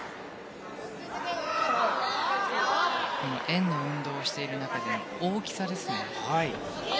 円の運動をしている中での大きさですね。